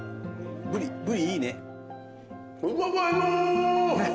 ブリいいね。